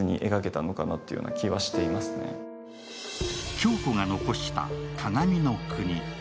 響子が残した「鏡の国」。